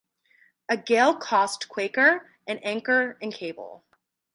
A gale cost "Quaker" an anchor and cable.